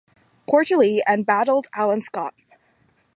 Quarterly, and battled Alan Scott.